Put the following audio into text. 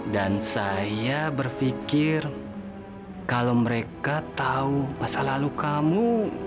dan saya berpikir kalau mereka tahu masa lalu kamu